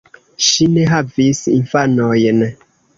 Ŝi ne havis infanojn.